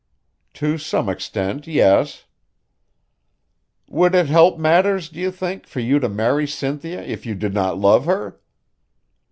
"To some extent, yes." "Would it help matters, do you think, for you to marry Cynthia if you did not love her?"